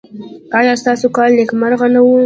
ایا ستاسو کال نیکمرغه نه و؟